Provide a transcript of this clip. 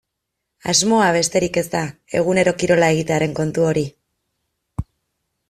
Asmoa besterik ez da egunero kirola egitearen kontu hori.